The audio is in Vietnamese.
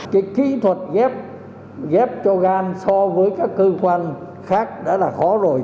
cái kỹ thuật ghép cho gan so với các cơ quan khác đã là khó rồi